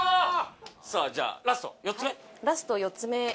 さあじゃあラスト４つ目？